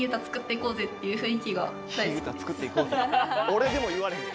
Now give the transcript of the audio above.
俺でも言われへん。